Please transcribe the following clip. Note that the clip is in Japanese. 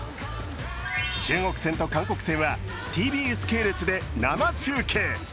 中国戦と韓国戦は、ＴＢＳ系列で生中継。